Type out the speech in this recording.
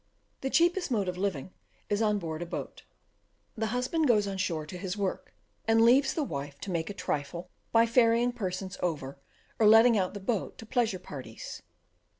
The cheapest mode of living is on board a boat. The husband goes on shore to his work, and leaves his wife to make a trifle by ferrying persons over, or letting out the boat to pleasure parties.